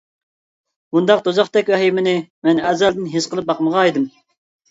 بۇنداق دوزاختەك ۋەھىمىنى مەن ئەزەلدىن ھېس قىلىپ باقمىغان ئىدىم.